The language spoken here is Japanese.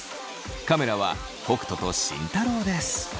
カメラは北斗と慎太郎です。